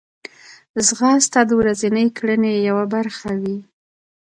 ځغاسته د ورځنۍ کړنې یوه برخه وي